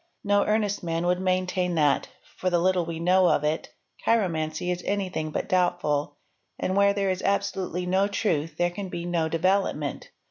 No earnest man would maintain that, for the little we know of it, chiromancy is anything but doubtful, and where _ there 1 is absolutely no truth there can be no development.